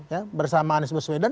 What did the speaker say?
ya bersama anies baswedan